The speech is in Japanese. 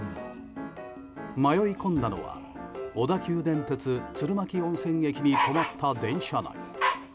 迷い込んだのは小田急電鉄鶴巻温泉駅に止まった電車内。